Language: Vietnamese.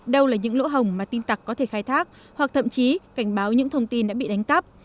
đâu là những lỗ hồng mà tin tặc có thể khai thác hoặc thậm chí cảnh báo những thông tin đã bị đánh cắp